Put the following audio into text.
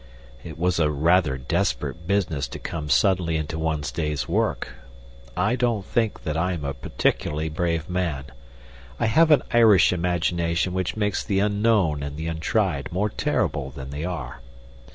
It was a rather desperate business to come suddenly into one's day's work. I don't think that I am a particularly brave man. I have an Irish imagination which makes the unknown and the untried more terrible than they are.